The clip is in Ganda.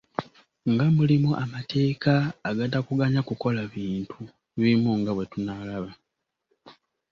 Nga mulimu amateeka ag'enjawulo agatakuganya kukola bintu bimu nga bwe tunaalaba.